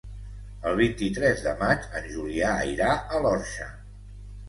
El vint-i-tres de maig en Julià irà a l'Orxa.